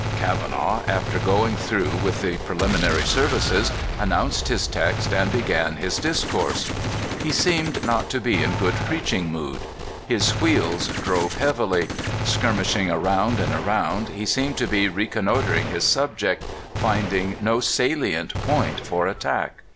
Kava naugh, after going through with the preliminary services, announced his text, and began his dis course. He seemed not to be in a good preaching mood. His wheels drove heavily. Skirmishing around and around, he seemed to be reconnoiter ing his subject, finding no salient point for attack.